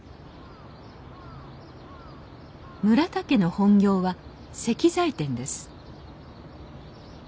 村田家の本業は石材店です